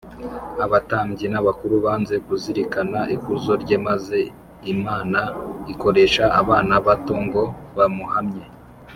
abatambyi n’abakuru banze kuzirikana ikuzo rye, maze imana ikoresha abana bato ngo bamuhamye